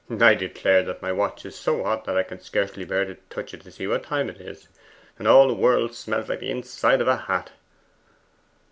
'I declare that my watch is so hot that I can scarcely bear to touch it to see what the time is, and all the world smells like the inside of a hat.